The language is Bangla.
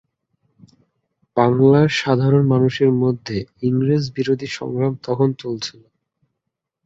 বাংলার সাধারণ মানুষের মধ্যে ইংরেজ বিরোধী সংগ্রাম তখন চলছিল।